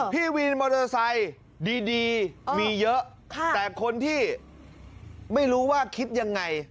พี่วินมอเตอร์ไซค์ดีมีเยอะแต่คนที่ไม่รู้ว่าคิดยังไง